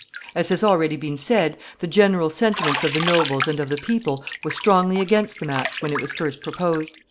As has already been said, the general sentiment of the nobles and of the people was strongly against the match when it was first proposed.